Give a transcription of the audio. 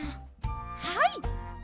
はい。